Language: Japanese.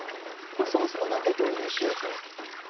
そもそも、何で導入しようと？